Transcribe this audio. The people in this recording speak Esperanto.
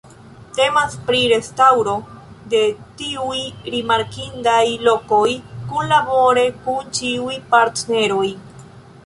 Temas pri restaŭro de tiuj rimarkindaj lokoj kunlabore kun ĉiuj partneroj.